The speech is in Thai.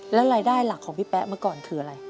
แล้วรายได้หลักของพี่แป๊ะเมื่อก่อนคืออะไร